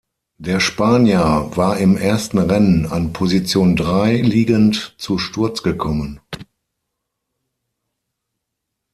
Der Spanier war im ersten Rennen an Position drei liegend zu Sturz gekommen.